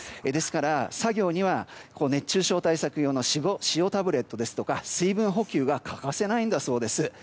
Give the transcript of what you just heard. ですから作業には熱中症対策用の塩タブレットですとか水分補給が欠かせないそうです。